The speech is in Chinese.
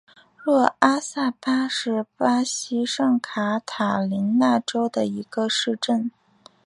若阿萨巴是巴西圣卡塔琳娜州的一个市镇。